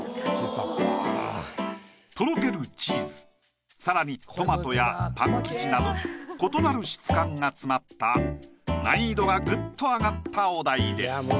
とろけるチーズ更にトマトやパン生地など異なる質感が詰まった難易度がぐっと上がったお題です。